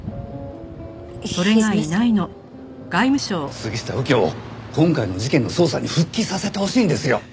杉下右京を今回の事件の捜査に復帰させてほしいんですよ！